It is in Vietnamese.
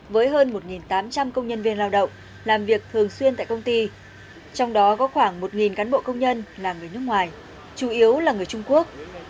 với hơn một tám trăm linh công nhân viên lao động làm việc thường xuyên tại công ty trong đó có khoảng một cán bộ công nhân là người nước ngoài chủ yếu là người trung quốc